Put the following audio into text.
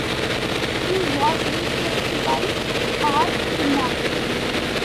He was replaced by Paul Simmons.